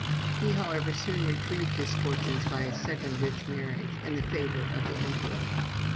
He, however, soon retrieved his fortunes by a second rich marriage, and the favor of the emperor.